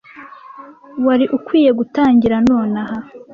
Wari ukwiye gutangira nonaha.